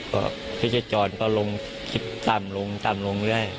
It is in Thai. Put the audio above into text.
คิดสาจรก็หลงคิดตามหลงด้วย